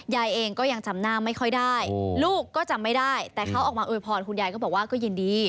ยายเองก็ยังจำหน้าไม่ค่อยได้ลูกก็จำไม่ได้แต่เขาออกมาอวยพรคุณยายก็บอกว่าก็ยินดี